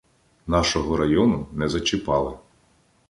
Нашого району не зачіпали.